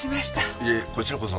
いいえこちらこそ。